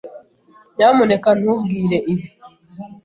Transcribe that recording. Nyamuneka ntubwire ibi.